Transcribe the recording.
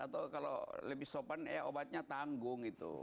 atau kalau lebih sopan ya obatnya tanggung gitu